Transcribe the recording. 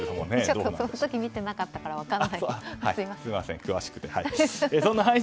その時、見てなかったから分からない。